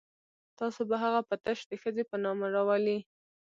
تاسو به هغه په تش د ښځې په نامه راولئ.